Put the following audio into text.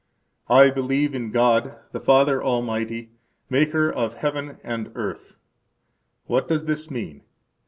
I believe in God the Father Almighty, Maker of heaven and earth. What does this mean?